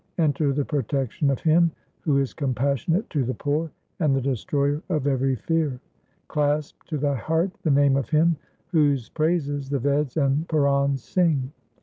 1 Enter the protection of Him who is compassionate to the poor and the destroyer of every fear. Clasp to thy heart the name of Him whose praises the Veds and Purans sing.